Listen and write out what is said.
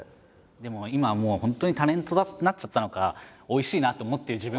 でも今はもう本当にタレントになっちゃったのかおいしいですよ。